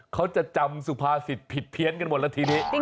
เขาจะจำสุภาษิตผิดเพี้ยนกันหมดแล้วทีนี้